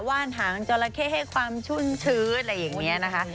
ว่านหางจราเข้ให้ความชุ่มชื้นอะไรอย่างนี้นะคะ